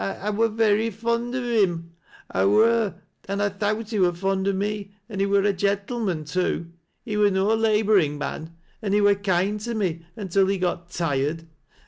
I — 1 wur very fond o' him — I wur, an' I thowt he wur fond o me, an' he wur a gentleman too. He were no laboring man, an he vrur kind to me, until he got tired.